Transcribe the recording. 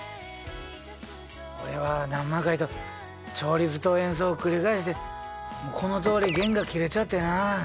俺は何万回と調律と演奏を繰り返してこのとおり弦が切れちゃってな。